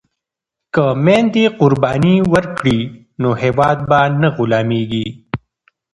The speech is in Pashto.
که میندې قرباني ورکړي نو هیواد به نه غلامیږي.